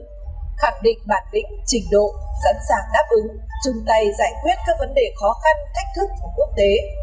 khẳng định bản lĩnh trình độ sẵn sàng đáp ứng chung tay giải quyết các vấn đề khó khăn thách thức của quốc tế